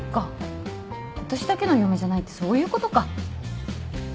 私だけの嫁じゃないってそういうことか。